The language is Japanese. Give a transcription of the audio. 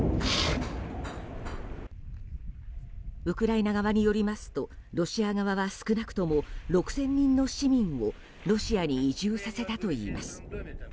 ウクライナ側によりますとロシア側は少なくとも６０００人の市民をロシアに移住させたといいます。